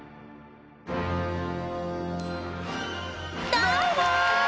どうも！